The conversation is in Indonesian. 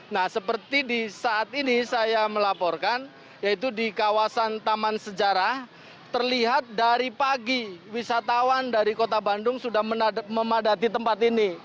nah seperti di saat ini saya melaporkan yaitu di kawasan taman sejarah terlihat dari pagi wisatawan dari kota bandung sudah memadati tempat ini